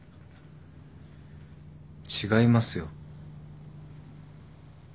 違いますよ。